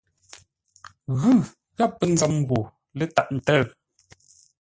Ghʉ gháp pə́ nzəm ghô lə́ tâʼ ntə̂ʉ.